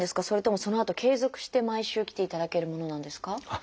それともそのあと継続して毎週来ていただけるものなんですか？